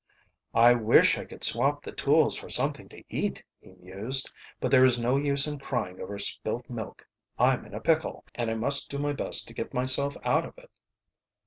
"I wish I could swap the tools for something to eat," he mused. "But there is no use in crying over spilt milk. I'm in a pickle, and I must do my best to get myself out of it."